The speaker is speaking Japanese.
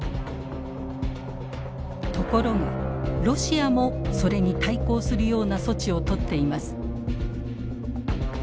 ところがロシアもそれに対抗するような措置をとっています。